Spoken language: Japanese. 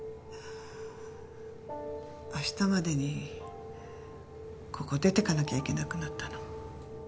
明日までにここ出てかなきゃいけなくなったの。